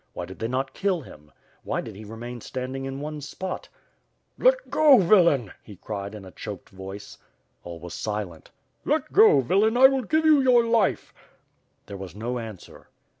Why did they not kill him? Why did he remain standing in one spot? *Tjet go, villain," he cried in a choked voice. WITH FIRE A2JD SWORD. 389 All was silent. "Let go villain, I will give you your life/' There was no answer.